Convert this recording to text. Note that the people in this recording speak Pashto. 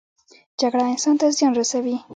جګړه انسان ته زیان رسوي